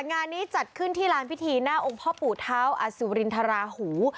งานนี้จัดขึ้นที่ลานพิธีหน้าองค์พ่อปู่เท้าอสุรินทราหู